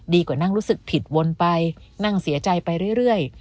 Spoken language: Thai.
กว่านั่งรู้สึกผิดวนไปนั่งเสียใจไปเรื่อย